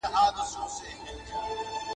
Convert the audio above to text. شرشره کمیس دې اور د انګار واخیست